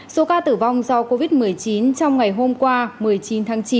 số ca tử vong do covid một mươi chín trong ngày hôm qua một mươi chín tháng chín